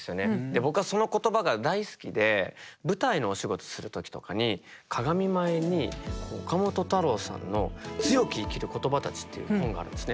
僕はその言葉が大好きで舞台のお仕事する時とかに鏡前に岡本太郎さんの「強く生きる言葉」っていう本があるんですね。